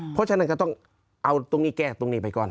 เพราะฉะนั้นก็ต้องเอาตรงนี้แก้ตรงนี้ไปก่อน